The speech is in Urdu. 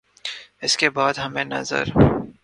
اس کے بعد ہمیں نظر